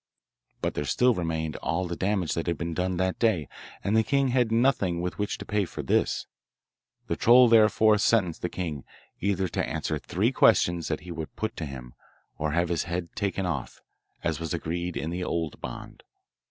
But there still remained all the damage that had been done that day, and the king had nothing with which to pay for this. The troll, therefore, sentenced the king, either to answer three questions that he would put to him, or have his head taken off, as was agreed on in the old bond.